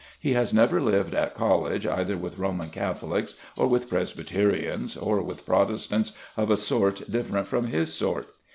He has never lived at college either with Roman Catholics, or with Presbyterians, or with Protestants of a sort different from his sort.